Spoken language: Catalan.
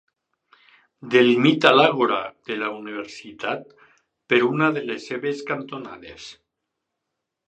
Delimita l'Àgora de la universitat per una de les seves cantonades.